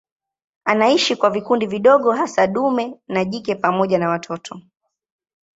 Anaishi kwa vikundi vidogo hasa dume na jike pamoja na watoto.